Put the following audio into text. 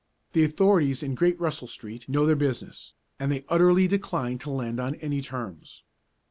The authorities in Great Russell Street know their business, and they utterly decline to lend on any terms.